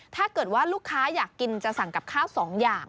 ถ้าเกิดว่าลูกค้าอยากกินจะสั่งกับข้าว๒อย่าง